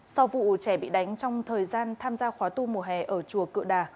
sau vụ trẻ bị đánh trong thời gian tham gia khóa tu mùa hè ở chùa cựa đà